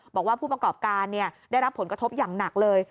บอกว่าผู้ประกอบการได้รับผลกระทบอย่างหนักเลย